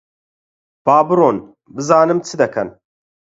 با بڕۆن بزانم چ دەکەن؟